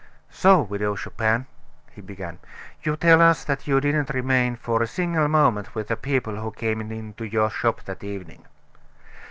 "So, Widow Chupin," he began, "you tell us that you didn't remain for a single moment with the people who came into your shop that evening!"